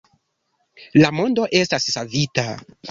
- La mondo estas savita